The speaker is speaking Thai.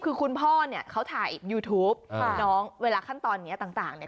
คือคุณพ่อเนี่ยเขาถ่ายยูทูปน้องเวลาขั้นตอนนี้ต่างเนี่ย